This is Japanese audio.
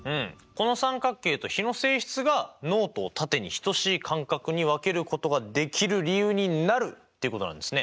この三角形と比の性質がノートを縦に等しい間隔に分けることができる理由になるということなんですね？